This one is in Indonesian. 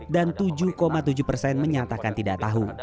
dan tujuh tujuh persen menyatakan tidak tahu